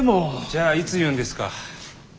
じゃあいつ言うんですか？